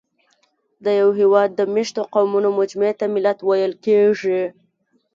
د یوه هېواد د مېشتو قومونو مجموعې ته ملت ویل کېږي.